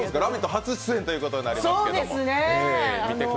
初出演ということになりますけれども。